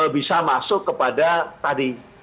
bisa masuk kepada tadi